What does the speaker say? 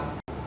đi qua cầu sắt